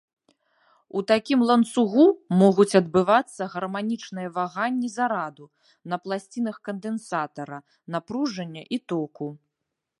У такім ланцугу могуць адбывацца гарманічныя ваганні зараду на пласцінах кандэнсатара, напружання і току.